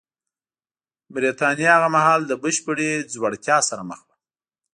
برېټانیا هغه مهال له بشپړې ځوړتیا سره مخ وه